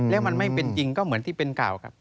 แล้วมันไม่เป็นจริงก็เหมือนที่เป็นข่าวครับ